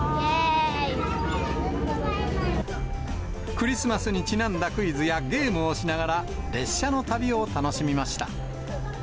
クリスマスにちなんだクイズやゲームをしながら、列車の旅を楽しみました。